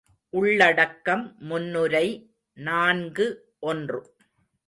உள்ளடக்கம் முன்னுரை நான்கு ஒன்று.